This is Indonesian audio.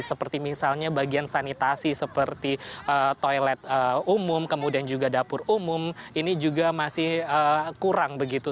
seperti misalnya bagian sanitasi seperti toilet umum kemudian juga dapur umum ini juga masih kurang begitu